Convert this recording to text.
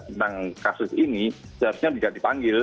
tentang kasus ini seharusnya tidak dipanggil